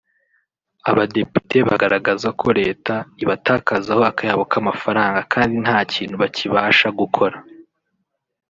Abadepite bagaragazaga ko Leta ibatakazaho akayabo k’amafaranga kandi nta kintu bakibasha gukora